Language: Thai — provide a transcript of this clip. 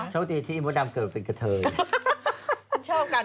โชคดีที่อิมพุดำเกิดเหมือนกับเธออย่างนี้ชอบกัน